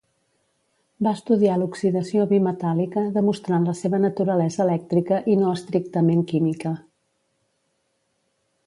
Va estudiar l'oxidació bimetàl·lica demostrant la seva naturalesa elèctrica i no estrictament química.